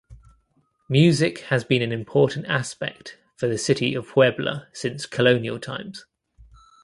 Music has been an important aspect for the City of Puebla since colonial times.